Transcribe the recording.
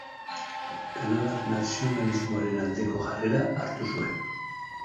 Kanadar nazionalismoaren aldeko jarrera hartu zuen.